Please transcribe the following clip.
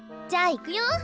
じゃあいくよ！